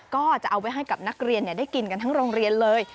ก็จะเอาไว้ให้กับนักเรียนได้กินกันทั้งโรงเรียนเลย